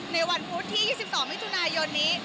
ในวันพุธที่๒๒มิถุนายนนี้